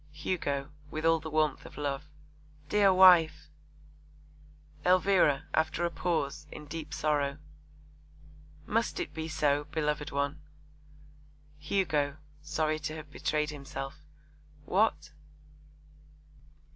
HUGO (with all the warmth of love). Dear wife! ELVIRA (after a pause, in deep sorrow). Must it be so, beloved one? HUGO (sorry to have betrayed himself). What?